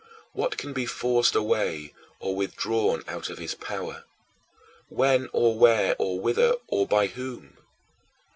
What can be forced away or withdrawn out of his power when or where or whither or by whom?